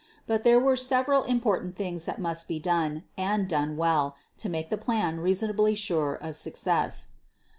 But there were several important things that must be done, and done well, to make the plan reasonably sure of success.